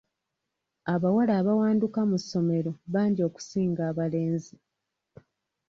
Abawala abawanduka mu ssomero bangi okusinga abalenzi.